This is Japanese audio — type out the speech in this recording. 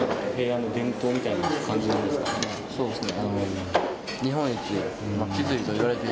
そうですね